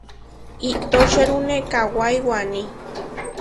Itočerune kawái waní.